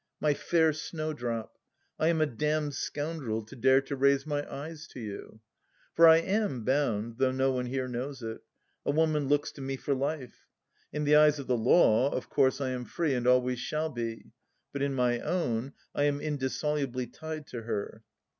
My fair snowdrop ! I am a damned scoundrel, to dare to raise my eyes to you. " For I am bound, though no one here knows it. A woman looks to me for life. In the eyes of the law, of course I am free, and always shall be, but in my own I am indissolubly tied to her.